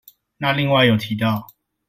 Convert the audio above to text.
那另外有提到